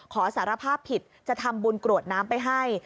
สารภาพผิดจะทำบุญกรวดน้ำไปให้